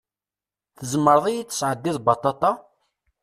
Tzemreḍ ad yid-tesɛeddiḍ baṭaṭa?